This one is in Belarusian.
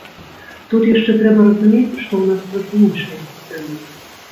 Тут яшчэ трэба разумець, што ў нас трохі іншая сістэма.